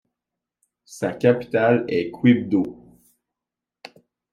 Sa capitale est Quibdó.